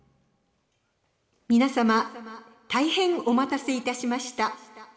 皆様大変お待たせ致しました。